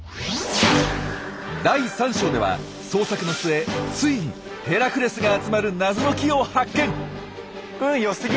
第３章では捜索の末ついにヘラクレスが集まる謎の木を発見！